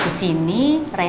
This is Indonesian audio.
saya harus berjaga jaga